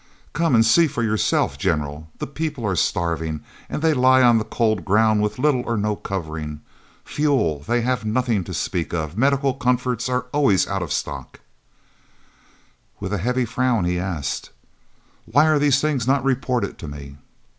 "Come and see for yourself, General. The people are starving, and they lie on the cold ground with little or no covering. Fuel they have nothing to speak of, medical comforts are always out of stock " With a heavy frown he asked: "Why are these things not reported to me?"